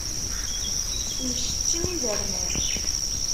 Mceččen izerman.